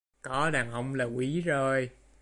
Có đàn ông là quý rồi